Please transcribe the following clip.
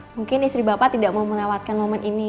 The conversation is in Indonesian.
mungkin istri bapak tidak mau melewatkan momen ini